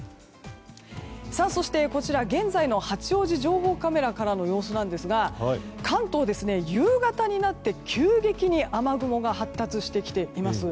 そして、こちら現在の八王子情報カメラからの様子なんですが関東、夕方になって急激に雨雲が発達してきています。